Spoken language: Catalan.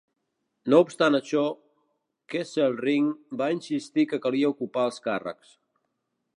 No obstant això, Kesselring va insistir que calia ocupar els càrrecs.